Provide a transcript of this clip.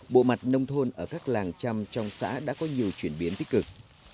bộ mặt nông thôn ở các làng trăm trong xã đã có nhiều chuyển biến tích cực